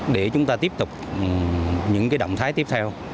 để chúng ta tiếp tục những động thái tiếp theo